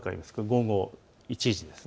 午後１時です。